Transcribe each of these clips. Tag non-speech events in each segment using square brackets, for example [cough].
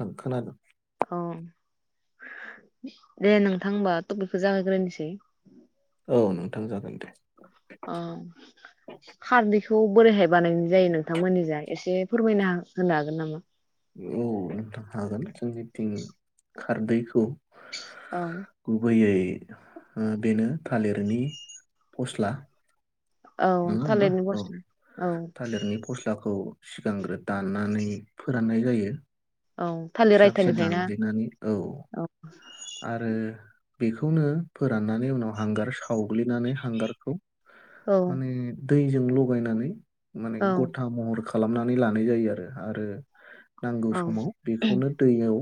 दा खोनादों। औ दे नोंथां होमबा ट'पिक खौ जागायग्रोनिसै। औ नोंथां जागोन दे। अ खारदैखौ बोरैहाय बानायनाय जायो नोंथांमोननि जा एसे फोरमायना होनो हागोन नामा? औ नोंथां हागोन जोंनिथिं खारदैखौ औ गुबैयै ओ बेनो थालिरनि फस्ला। औ नङा होमबा थालिरनि औ फस्ला औ। थालिरनि फस्लाखौ सिगांग्रो दाननानै फोराननाय जायो औ थालिर फिसा फिसा आयथानिफ्राय ना दानग्लिनानै औ औ। आरो बेखौनो फोराननानै उनाव हांगार सावग्लिनानै हांगारखौ औ माने दैजों लगायनानै माने औ गथा महर खा लामनानै लानाय जायो आरो आरो नांगौ औ समाव बेखौनो दैयाव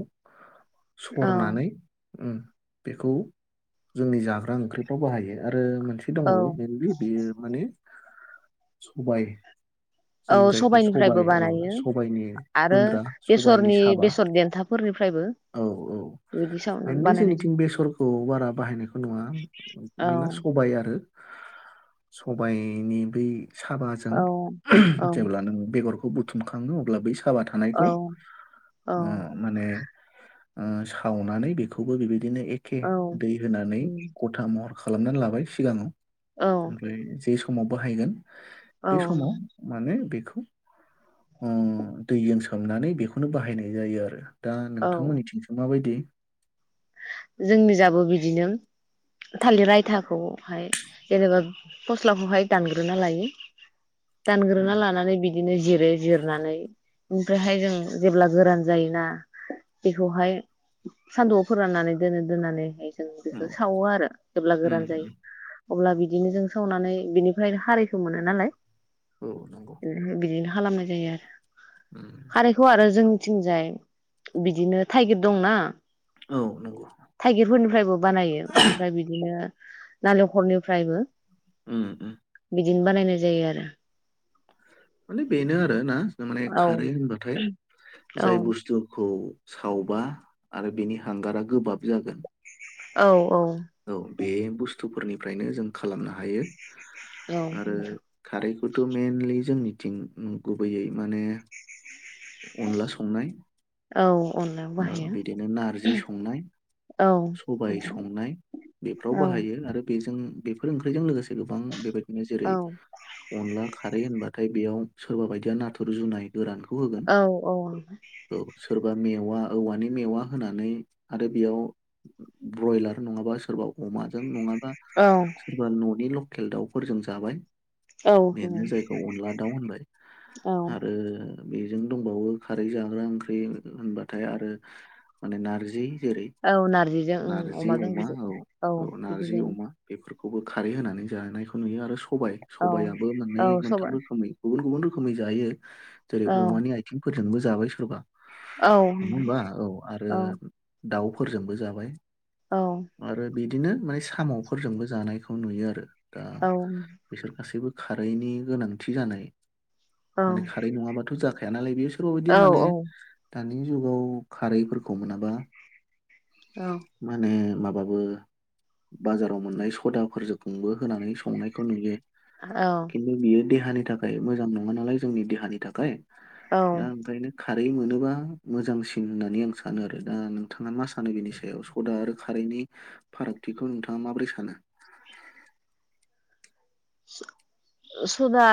औ सरनानै ओम बेखौ जोंनि जाग्रा ओंख्रिफ्राव बाहायो। आरो मोनसे औ दंबावो मेइनलि बियो माने सबाय औ जों जायखौ सबाय सबायाइनिफ्रायबो औ बानायो सबायनि आरो गुन्द्रा सबायनि बेसरनि साबा बेसर देन्थाफोरनिफ्रायबो बिदि सावना लि जोंनिथिं बेसरखौ बारा बाहायनायखौ नुवा औ मेना सबाय आरो सबायनि बै साबाजों औ औ जेब्ला नों बेगरखौ बुथुमखाङो अब्ला बै साबा औ थानायखौ औ ओ माने ओ सावनानै बे खौबो बेबाय दिनो एखे औ दै होनानै ग'था महर खालामनानै लाबाय सिगाङाव औ ओमफ्राय जे स माव बाहायगोन बे औ समाव माने बेखौ ओं दैजों सोमनानै बेखौनो बाहायनाय जायो आरो दा औ नोंथांमोननिथिंसो मा बायदि? जोंनि जाबो बिदिनो थालिर आयथाखौहाय जेनेबा फस्लाखौहाय दानग्रोना लायो। उम, दानग्रोना लानानै बि दिनो जिरो जिरनानै ओमफ्रायहाय जों जेब्ला गोरान जायोना बेखौहाय सानदौआव फो फोराननानै दोनो दोननानैहाय जों औ बेखो सावोआरो जेब्ला उम गोरान जायो। उम, अब्ला बिदिनोजों सावनानै बिनिफ्रायनो खारैखो मोनोनालाय। औ नंगौ [unintelligible] खालामनाय जायो आरो। उम, खारैखौ आरो जों थिंजाय बिदिनो थाइगिरदंना औ नंगौ थाइगिरफोरनिफ्रायबो बानायो ओमफ्राय बिदिनो। नालेखर निफ्रायबो उम उम। बिदिनो बानायनाय जायो आरो माने बेनो आरो ना नामाने खारै औ होनबाथाय औ जाय बुसथुखौ सावबा आरो बेनि हांगारा गोबाब जागोन। औ औ बे बुसथुफोरनि फ्रायनोजों खालामनो हायो। औ आरो खारैय खौथ मइेनलि जोंनिथिं गुबैयै माने अनला संनाय औ अनलायाव ओह बाहायो बिदिनो नारजि संनाय औ सबाय संनाय बेफ्राव औ बाहायो आरो बेजों बेफोर ओंख्रौजों लोगोसे गोबां बेबाय दिनो औ जेरै अनला खारै होनबा नाथाय बेयाव सोरबा बायदिया नाथुर जुनाय गोरानखौ औ औ। बा मेवा औवानि मेवा होनानै आरो बेयाव ब्रयलार नङाबा सोरबा अमाजों नङा बा औ सोरबा न नि ल खेल दाउफोरजों जाबाय। औ बेनो जायखौ अनला दाउ होनबाय औ आरो बेजों दंबावो खारै जाग्रा ओंख्रि हो होनबा थाय आरो माने नारजि जेरै औ नारजिजो ओं नारजि अमाजो अमा बिदि औ बिदि जायो। खौबो खारै होनानै जानायखौ नुयो आरो स सबाय सबायाबो मोननै औ औ मोनथाम सबाय रोखोमै गुबुन गुबुन रोख खोबैजायो। जेरै औ अमानि आइथिंफोर। जोंबो जाबाय सोरबा। औ नङा होमबा औ आरो औ दाउ। फोरजोंबो जाबाय। औ आरो। बिदिनो माने साम'फोरजोंबो जानायखौ नुयो आरो। दा औ बिसोर गासैबो। खारैनि गोनांथि जानाय। माने खारै नङाबाथ' जा। खायानालाय बेयो। सोरबा बायदिया माने दा। नि जुगाव खारैफोरखौ मोनाबा। माने। माबाबो बाजाराव मोननाय सदाफोरजोंबो होनानै संनायखौ नुयो। खिन्थु बियो। देहानि थाखाय मोजां नङा नालाय जोंनि देहानि थाखाय। दा ओंखायनो खा। खारै मोनोबा। मोजांसिन होननानै आं सानो आरो दा नोंथाङा मा सा। सानो बिनि सायाव सदा आरो। खारैनि फारागथिखौ नोंथाङा माब्रै सानो? सदा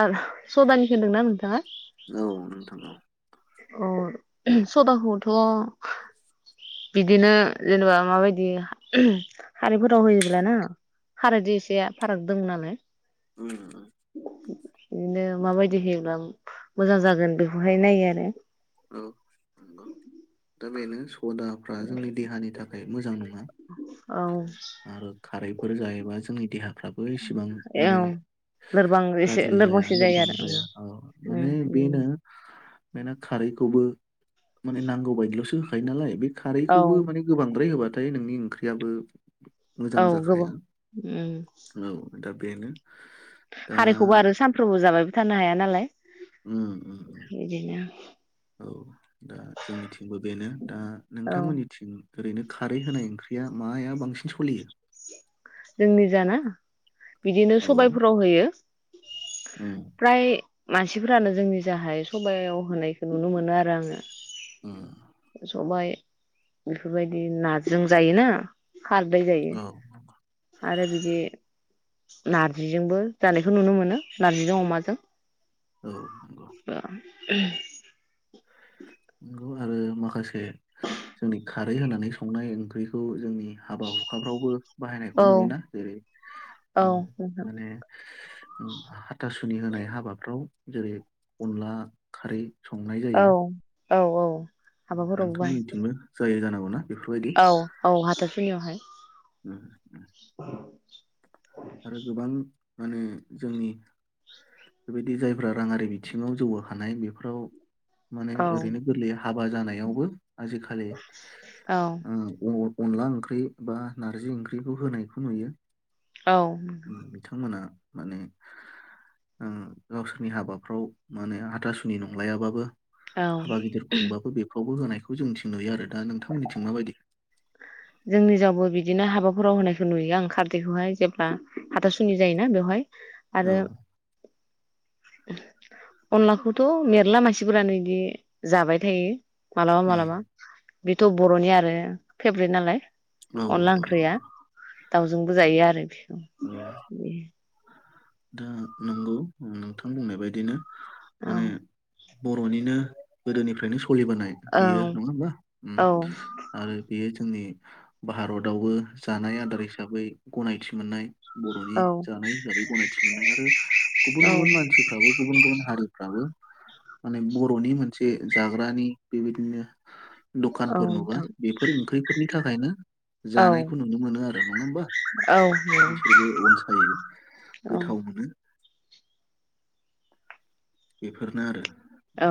सदानि होनदोंना नोंथाङा? औ नोंथां औ। अ सदाखौथ' बिदिनो जेनेबा माबायदि खारिफोराव होयोब्लाना खारादै एसे फाराग दङ नालाय। उम उम। बिदिनो माबायदि होयोब्ला मोजां जागोन बेखौहाय नायो आरो। औ नंगौ दा बेनो। सदाफ्रा जोंनि देहानि थाखाय मोजां नङा। औ आरो खारैफोर जायोबा जोंनि देहाफ्राबो एसेबां माने औ लोरबां एसे गाज्रि जाया लोरबांसिन जायो लोरबां आरो जाया औ उम माने उम बेनो। बेनो खारैखौबो। माने नांगौ बायदिल'सो। खानालाय बे औ खारैखौबो माने गोबांद्राय होबा थाय नोंनि ओंख्रियाबो मोजां औ गोबाव जाखाया ओम औ दा बेनो दा खारैखौबो आरो सानफ्रोमबो जाबायल थानो हाया नालाय उम बिदिनो औ दा जोंनिथिंबो बेनो दा औ नोंथांमोननिथिं ओरैनो खारै होनाय ओंख्रिया माया बांसिन सलियो जोंनि जाना बिदिनो औ सबायफोराव होयो। उम प्राय मानसिफोरानो जोंनि जाहाय सबायाव होनायखौ नुनो मोनो आरो आङो। उम सबाय बेफोरबायदि नाजों जायोना। खारदै जायो। औ आरो बिदि नारजिजोंबो जानायखौ नुनो मोनो नार्जिजों अमाजों औ नंगौ। [unintelligible] नंगौ आरो माखासे जोंनि खारै होनानै संनाय ओंख्रिखौ जोंनि हाबा हुखाफ्रावबो औ बाहायनायखौ नुयोना जेरै औ नोंथां माने [unintelligible] तासुनि होनाय हाबाफ्राव जेरै अनला खारै संनाय औ जायो। औ औ। हाबाफोरावबो बाहाय नोंथांमोननिथिंबो जायो जानांगौ ना बेफोरबायदि औ औ हाथारसुनियावहाय उम, उम। आरो गोबां माने जोंनि बेबायदि जायफ्रा राङारि बिथिङाव जौगाखानाय बेफोराव माने औ ओरैनो गोरलै हाबा जानायावबो आजिखालि औ अन अनला ओंख्रि बा नारजि ओंख्रिखौ होनायखौ नुयो। औ बिथांमोना माने आ गावसोरनि हाबाफ्राव माने हाथासुनि नंलायाबाबो औ हाबा गिदिर खुंबाबो बेफ्रावबो होनाय बेखौ जोंथिं नुयो आरो दा नोंथांमोननिथिं माबायदि? जोंनि जावबो बिदिनो हाबाफोराव होनायखौ नुयो आं खारदैखौहाय जेब्ला हाथासुनि जायोना बेवहाय। आरो औ अनलाखौथ' मेरला मानसिफोरानो बिदि जाबाय थायो। मालाबा उम, मालाबा बेथ' बर'नि आरो फे मोन नालाय औ अनला ओंख्रिया दाउजोंबो जायो आरो बेखौ। औ दा नंगौ नोंथां बुंनाय बायदिनो। औ माने बर'निनो गोदोनिफ्रायनो स लिबोनाय औ बियो नङा होमबा उम औ आरो बेयो जोंनि भारतावबो जानाय आदार हिसाबै गनायथि मोननाय। बर'नि औ जानाय हिसाबै गनायथि मोनाय आरो गुबुन औ गुबुन मानसिफ्राबो गुबुन गुबुन हारिफ्राबो माने बर'नि मोनसे जाग्रानि बेबायदिनो औ दखानफोर नुबा नोंथां बेफोर ओंख्रिफोरनि थाखायनो औ जानायखौ नुनो मोनो आरो नङा होमबा औ बिसोरबो अनसायो औ गोथाव मोनो। बेफोरनो आरो औ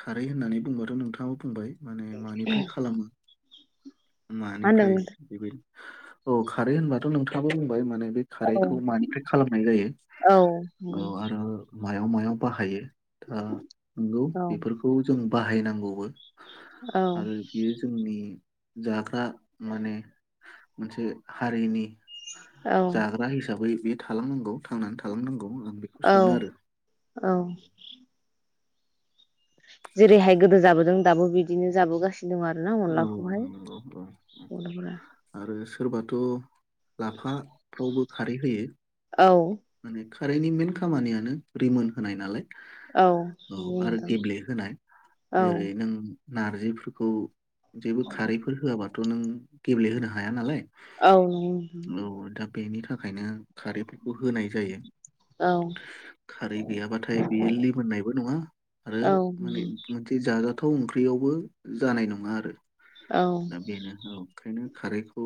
खारै होननानै बुंबाथ' नोंथाङाबो बुंबाय। माने मानिफ्राय खालामो। मा होनदों मानिफ्राय बेबा औ खारै होनबाथ' नोंथाङाबो बुंबाय माने बे नोंथां? खारैखौ मानिफ्राय खालामनाय जायो औ औ आरो मायाव मायाव बाहायो दा नंगौ औ बेफोरखौ जों बाहायनांगौबो आरो बियो जोंनि जाग्रा माने मोनसे हारिनि औ जाग्रा हिसाबै बे थालांनांगौ थांनानै थालांनांगौ। आं बेखौ औ सानो आरो औ जेरैहाय गोदो जाबोदों दाबो बिदिनो जाबोगासिनो। फिदों आरोना औ अनलाखौहाय नंगौ औ अनलाफ [unintelligible] आरो सोरबाथ' लाफाफ्रावबो। खारै होयो। औ माने खारैनि मेन खामानियानो रिमोन होनाय नालाय। औ नंगौ आरो नोंथां गेब्लेहोनाय औ जेरै नों नारजिफोरखौ जेबो खारैफोर होआबाथ थ' नों गेब्लेहोनो हाया नालाय। औ नंगौ नोथां औ दा बेनि थाखायनो खारैफोखौ होनाय जायो खारै गैयाबाथाय बेयो लिमोननायबो नङा आरो औ माने औ मोनसे जा फाथाव ओंख्रियावबो जानाय नङा आरो [unintelligible] दा बेनो औ ओंखायनो खारैखौ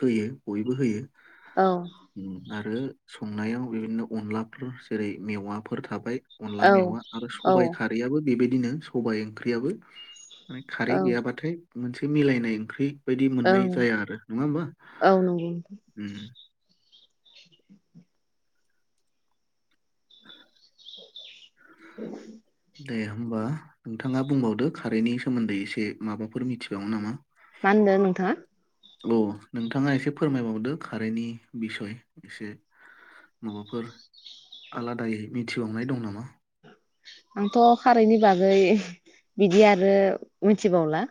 होयो बयबो होयो। औ आरो संनायाव बिदिनो अनलाफोर जेरै मेवाफोर थाबाय। अनला मेवा आरो औ सबायाइ खारैयाबो बेबायदिनो सबायाइ ओंख्रियाबो माने खारै औ गैयाबाथाय मोनसे मिलायनाय ओंख्रि। बायदि मोननाय ओं जाया आरो नङा होमबा औ नंगौ ओम [inaudible] [inaudible] [inaudible] दे होमबा नोंथाङा बुंबावदो खारैनि सोमोन्दै एसे माबाफोर मिथिबावोन नामा? मा होनदों नोंथाङा? औ नोंथाङा एसे फोरमायबावदो खारैनि बिसय एसे माबाफोर आलादायै मिथिबावनाय दं नामा? आंथ' खारैनि बागै बिदि आरो मिथिबावला।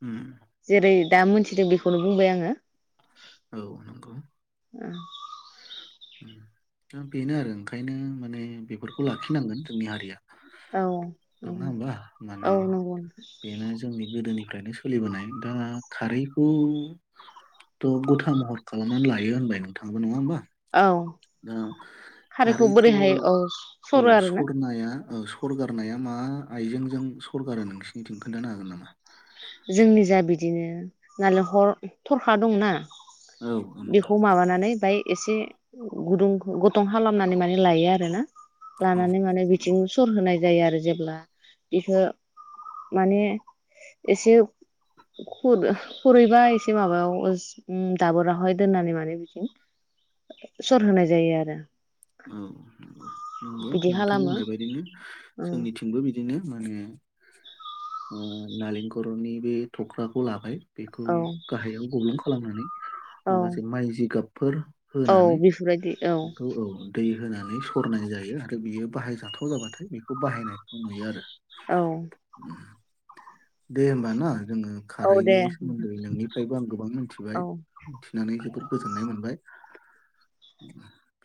ह [inaudible] जेरै दा मोनथिदों बेखौनो बुंबाय आङो। औ नंगौ। [inaudible] दा बेनो आरो ओंखायनो माने बेफोरखौ लाखिनांगोन जोंनि हारिया औ औ नङा होमबा माने औ नंगौ बेनो जोंनि गोदोनि ओमफ्रायन सोलिबोनाय दा खारैखौथ' गथा महर खालामनानै लायो होनबाय नोंथाङबो नङा होमबा? औ ओ खारैखौ बोरैहाय औ औ सरो आरोना सरनाया ओ सरगारनाया मा आइजेंजों सरगारो नोंसिनिथि खोन्थानो हागोन नामा? जोंनि जा बिदिनो नालाय हर थरखा दंना औ औ नंगौ बेखौ माबानानै बाय एसे गुदुं गुथुं खालामनानै माने लायो आरो ना औ लानानै माने बिथिं सर होनाय जायो आरो जेब्ला बिखो माने एसे खुर खुरैबा एसे माबायाव ओ दाबोरावाहाय दोननानै माने बिदिं सर होनाय जायो आरो। औ नंगौ नंगौ बिदि नोंथां खालामो होननाय बायदिनो औ जोंनिथिंबो बिद बिदिनो माने ओ नालेंखरनि बे थख्राखौ लाबाय बेखौ औ गाहायाव गब्लं खालामनानै औ माखासे माइ जिगाब फोर औ होनानै बेफोरबायदि औ बेखौ औ दै होनानै सरनाय जायो आरो बियो बाहायजाथाव जाबाथाय बेखौ बाहायनायखौ नुयो आरो औ। दे होमबा ना जोङो औ खारैनि दे सोमोन्दै नोंनिफ्रायबो आं गोबां मिथिबाय औ मिथिनानै जोबोर गोजोननाय मोनबाय। [inaudible]